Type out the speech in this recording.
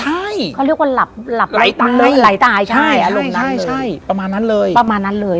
ใช่เขาเรียกว่าหลายตายใช่ใช่ประมาณนั้นเลย